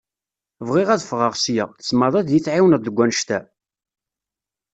Bɣiɣ ad fɣeɣ sya, tzemreḍ ad iyi-tɛiwneḍ deg wanect-a?